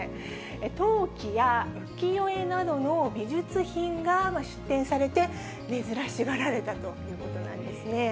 陶器や浮世絵などの美術品が出展されて、珍しがられたということなんですね。